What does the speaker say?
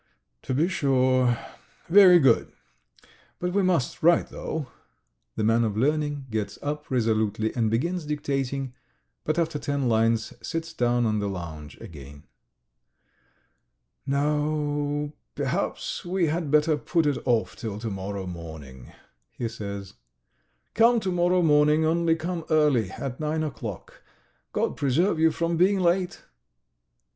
"To be sure ... very good. But we must write, though." The man of learning gets up resolutely and begins dictating, but after ten lines sits down on the lounge again. "No. ... Perhaps we had better put it off till to morrow morning," he says. "Come to morrow morning, only come early, at nine o'clock. God preserve you from being late!"